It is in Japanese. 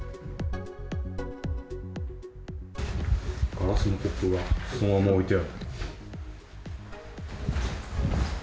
ガラスのコップがそのまま置いてある。